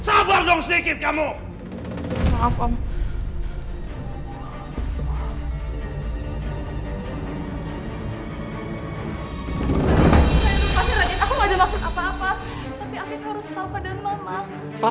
aku cuma pengen tahu aja